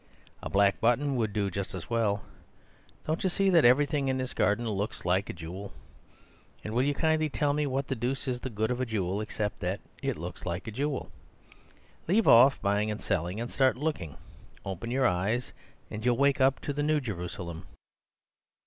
A black button would do just as well. Don't you see that everything in this garden looks like a jewel? And will you kindly tell me what the deuce is the good of a jewel except that it looks like a jewel? Leave off buying and selling, and start looking! Open your eyes, and you'll wake up in the New Jerusalem.